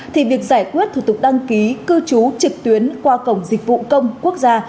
thì việc giải quyết thủ tục đăng ký cư trú trực tuyến qua cổng dịch vụ công quốc gia